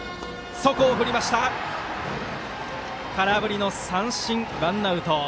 空振り三振、ワンアウト。